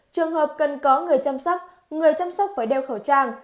trường hợp cần có người chăm sóc người chăm sóc phải đeo khẩu trang